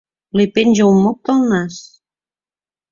Li penja un moc del nas.